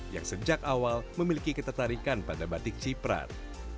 yang sejak awal memiliki ketertarikan pada batik ciprat